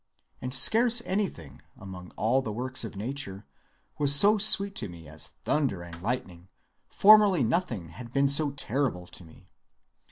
And scarce anything, among all the works of nature, was so sweet to me as thunder and lightning; formerly nothing had been so terrible to me.